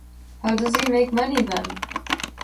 How does he make money then?